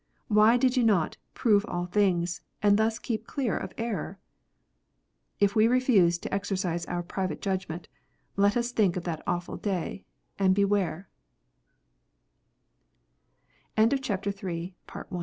Why did you not Prove all things, and thus keep clear of error ?" If we refuse to exercise our private judgment, let us think of that awful day, and bew